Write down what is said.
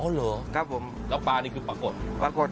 อ๋อเหรอครับผมแล้วปลานี่คือปลากด